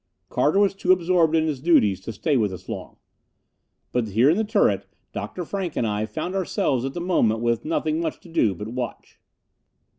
Carter was too absorbed in his duties to stay with us long. But here in the turret Dr. Frank and I found ourselves at the moment with nothing much to do but watch.